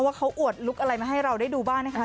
ว่าเขาอวดลุคอะไรมาให้เราได้ดูบ้างนะคะ